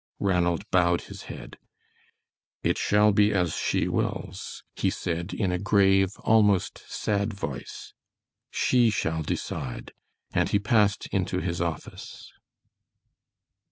Ranald bowed his head. "It shall be as she wills," he said, in a grave, almost sad, voice. "She shall decide," and he passed into his office.